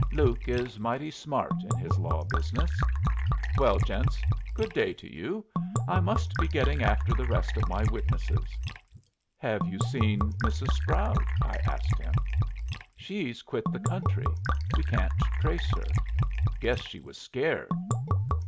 "Luke is mighty smart in his law business. Well, gents, good day to you. I must be getting after the rest of my witnesses." "Have you seen Mrs. Sproud?" I asked him. "She's quit the country. We can't trace her. Guess she was scared."